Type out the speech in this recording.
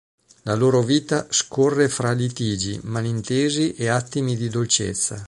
La loro vita scorre fra litigi, malintesi e attimi di dolcezza.